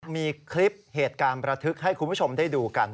มีคลิปเหตุการณ์ประทึกให้คุณผู้ชมได้ดูกัน